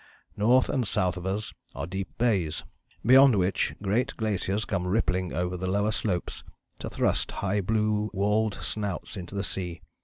North and south of us are deep bays, beyond which great glaciers come rippling over the lower slopes to thrust high blue walled snouts into the sea.